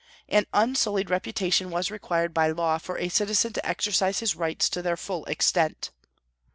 An unsullied reputation was required by law for a citizen to exercise his rights to their full extent.